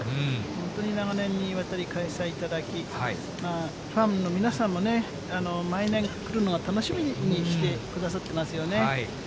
本当に長年にわたり開催いただき、ファンの皆さんもね、毎年、来るのが楽しみにしてくださってますよね。